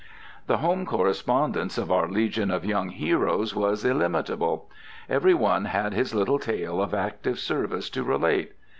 The home correspondence of our legion of young heroes was illimitable. Every one had his little tale of active service to relate.